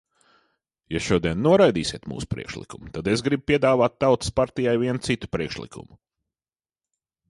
Ja šodien noraidīsiet mūsu priekšlikumu, tad es gribu piedāvāt Tautas partijai vienu citu priekšlikumu.